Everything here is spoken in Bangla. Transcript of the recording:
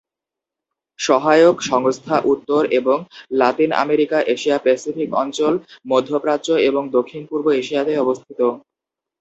সহায়ক সংস্থা উত্তর এবং লাতিন আমেরিকা, এশিয়া-প্যাসিফিক অঞ্চল, মধ্য প্রাচ্য এবং দক্ষিণ-পূর্ব এশিয়াতে অবস্থিত।